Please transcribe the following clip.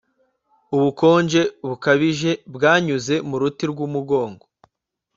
ubukonje bukabije bwanyuze mu ruti rw'umugongo